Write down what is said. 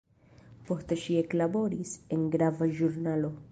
Poste ŝi eklaboris en grava ĵurnalo.